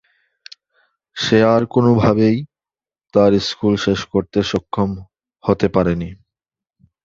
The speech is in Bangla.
সে আর কোন ভাবেই তাঁর স্কুল শেষ করতে সক্ষম হতে পারেনি।